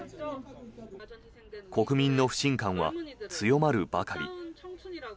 国民の不信感は強まるばかり。